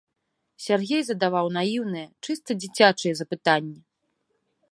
Сяргей задаваў наіўныя, чыста дзіцячыя запытанні.